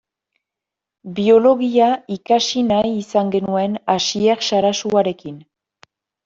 Biologia ikasi nahi izan genuen Asier Sarasuarekin.